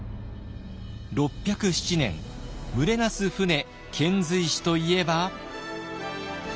６０７年「群れなす船遣隋使」といえば。